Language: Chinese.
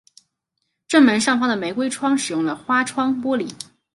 正门上方的玫瑰窗使用了花窗玻璃。